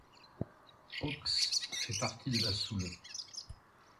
Haux fait partie de la Soule.